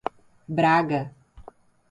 Braga